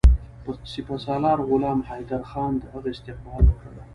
سپه سالار غلام حیدرخان د هغه استقبال وکړ.